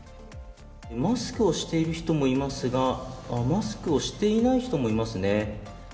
マスクをしている人もいますが、マスクをしていない人もいますね。